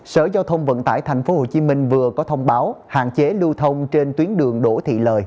sở giao thông vận tải tp hcm vừa có thông báo hạn chế lưu thông trên tuyến đường đỗ thị lời